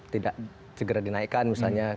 tidak segera dinaikkan misalnya